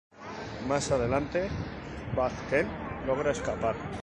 Más adelante, Bud Kent logra escapar.